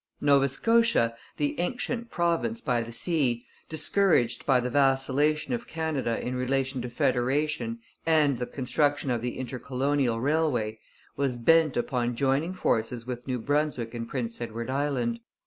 Nova Scotia, the ancient province by the sea, discouraged by the vacillation of Canada in relation to federation and the construction of the Intercolonial Railway, was bent upon joining forces with New Brunswick and Prince Edward Island.